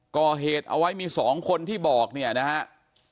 ก่อเหตุเอาไว้มี๒คนที่บอกเนี่ยนะครับ